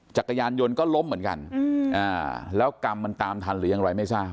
จักรยานยนต์ก็ล้มเหมือนกันแล้วกรรมมันตามทันหรือยังไรไม่ทราบ